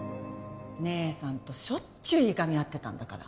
姉さんとしょっちゅういがみ合ってたんだから。